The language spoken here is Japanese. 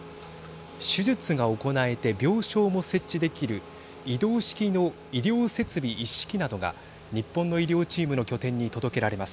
手術が行えて病床も設置できる移動式の医療設備一式などが日本の医療チームの拠点に届けられます。